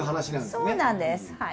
そうなんですはい。